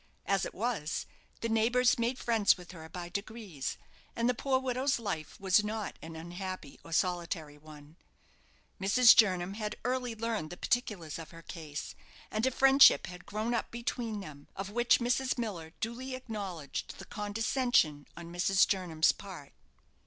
As it was, the neighbours made friends with her by degrees, and the poor widow's life was not an unhappy or solitary one. Mrs. Jernam had early learned the particulars of her case, and a friendship had grown up between them, of which Mrs. Miller duly acknowledged the condescension on Mrs. Jernam's part.